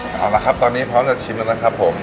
เอาละครับตอนนี้พร้อมจะชิมแล้วนะครับผม